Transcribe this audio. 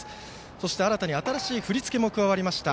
そして、新たに新しい振り付けも加わりました。